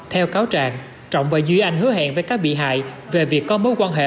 theo cáo trạng trọng và duy anh hứa hẹn với các bị hại về việc có mối quan hệ